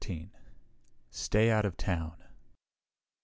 _Stay Out of Town!